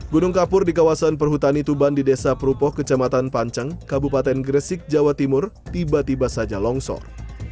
gunung kapur di kawasan perhutani tuban di desa perupoh kecamatan panceng kabupaten gresik jawa timur tiba tiba saja longsor